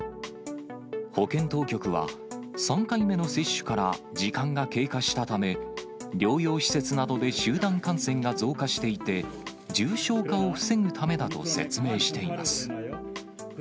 保健当局は、３回目の接種から時間が経過したため、療養施設などで集団感染が増加していて、重症化を防ぐためだと説明しています。